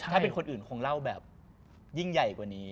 ถ้าเป็นคนอื่นคงเล่าแบบยิ่งใหญ่กว่านี้